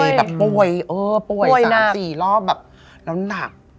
ป่วยแบบป่วยป่วย๓๔รอบแบบแล้วหนัก